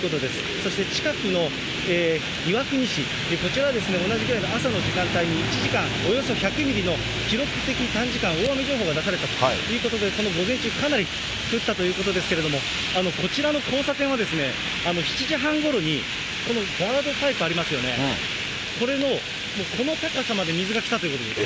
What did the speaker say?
そして近くの岩国市、こちら、同じぐらいの朝の時間帯に、１時間、およそ１００ミリの記録的短時間大雨情報が出されたということで、午前中、かなり降ったということですけれども、こちらの交差点は、７時半ごろに、このガードパイプありますよね、これのこの高さまで水が来たということです。